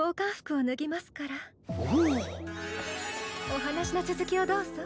お話の続きをどうぞ。